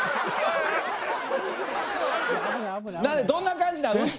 どんな感じなん？